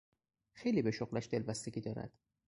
خیلی به شغلش دلبستگی دارد.